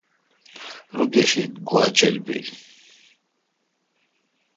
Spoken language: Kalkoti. رو گیشد گوا چول بیل۔